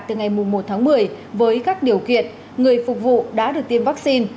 từ ngày một tháng một mươi với các điều kiện người phục vụ đã được tiêm vaccine